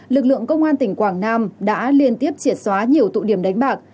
lực lượng công an tỉnh quảng nam đã liên tiếp triệt xóa nhiều tụ điểm đánh bạc